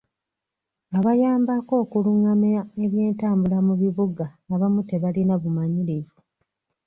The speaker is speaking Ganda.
Abayambako okulungamya ebyentambula mu bibuga abamu tebalina bumanyirivu.